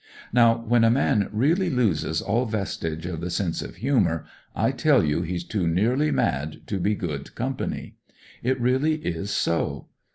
Now, when a man really loses all vestige of the sense of humour, I tell you he's too nearly mad to be good company. It really is so.